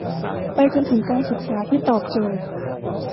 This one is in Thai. ไปจนถึงการศึกษาที่ตอบโจทย์